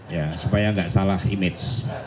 ya supaya nggak salah image